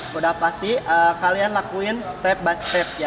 sudah pasti kalian lakukan step by step